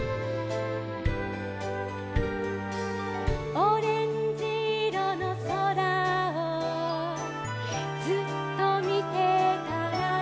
「オレンジいろのそらをずっとみてたら」